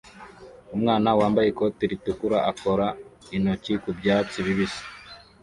Umwana wambaye ikoti ritukura akora intoki ku byatsi bibisi